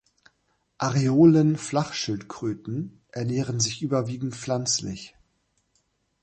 Areolen-Flachschildkröten ernähren sich überwiegend pflanzlich.